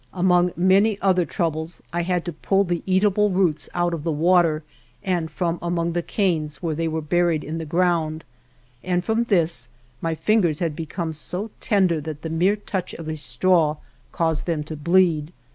Among many other troubles I had to pull the eatable roots out of the water and from among the canes where they were buried in the ground, and from this my fingers had become so tender that the mere touch of a straw caused them to bleed.